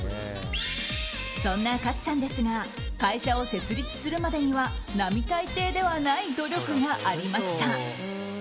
そんな勝さんですが会社を設立するまでには並大抵ではない努力がありました。